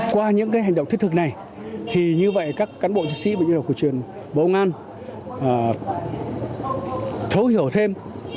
qua những hành động thiết thực này các cán bộ chiến sĩ bệnh viện y học cổ truyền bộ công an thấu hiểu thêm